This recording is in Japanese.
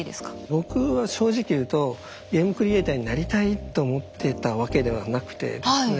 僕は正直言うとゲームクリエイターになりたいと思ってたわけではなくてですね